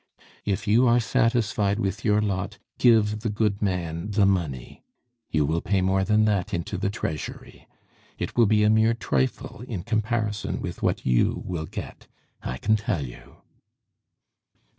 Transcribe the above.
If you are satisfied with your lot, give the good man the money. You will pay more than that into the treasury. It will be a mere trifle in comparison with what you will get, I can tell you."